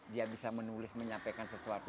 dia bisa menulis menyampaikan sesuatu